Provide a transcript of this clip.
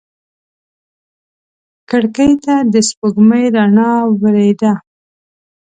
کړکۍ ته د سپوږمۍ رڼا ورېده.